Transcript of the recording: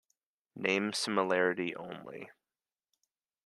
Name similarity only.